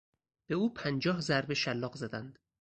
به او پنجاه ضربه شلاق زدند.